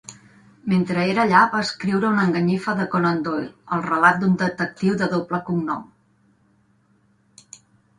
Mentre era allà, va escriure una enganyifa de Conan Doyle, "El relat de un detectiu de doble cognom".